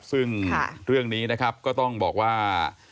ซึ่งเรื่องนี้นะครับก็ต้องบอกว่า